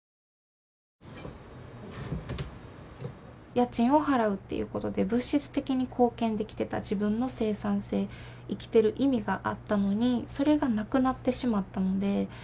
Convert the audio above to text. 家賃を払うっていうことで物質的に貢献できてた自分の生産性生きてる意味があったのにそれがなくなってしまったので。